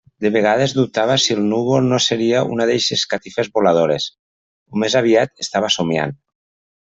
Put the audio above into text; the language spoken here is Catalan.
De vegades dubtava si el núvol no seria una d'eixes catifes voladores, o més aviat estava somiant.